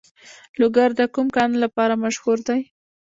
لوګر د کوم کان لپاره مشهور دی؟